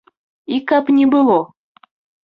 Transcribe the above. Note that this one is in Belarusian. І каб не было!